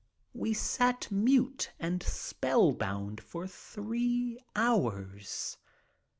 We sat mute and spellbound for three hours.